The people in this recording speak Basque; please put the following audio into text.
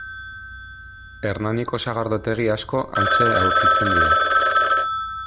Hernaniko sagardotegi asko hantxe aurkitzen dira.